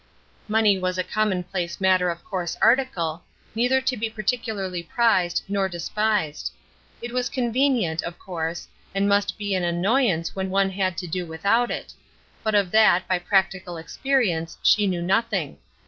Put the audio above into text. Money was a commonplace matter of course article, neither to be particularly prized nor despised; it was convenient, of course, and must be an annoyance when one had to do without it; but of that, by practical experience, she knew nothing.